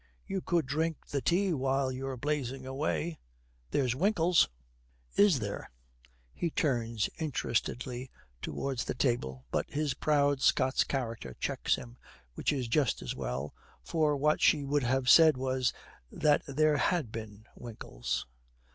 'You could drink the tea while you was blazing away. There's winkles.' 'Is there?' He turns interestedly towards the table, but his proud Scots character checks him, which is just as well, for what she should have said was that there had been winkles.